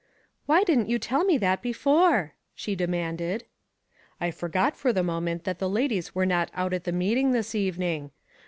"Why didn't you tell me that before ?" she demanded. "I forgot for the moment that the ladies were not out at the meeting this evening.